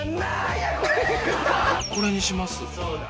これにします。